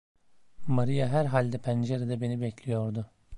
Maria herhalde pencerede beni bekliyordu.